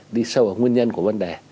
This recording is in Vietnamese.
đi sâu vào nguyên nhân của vấn đề